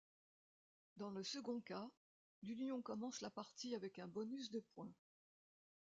Dans le second cas, l’Union commence la partie avec un bonus de points.